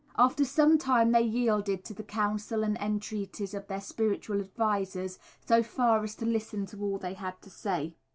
After some time they yielded to the counsel and entreaties of their spiritual advisers so far as to listen to all they had to say.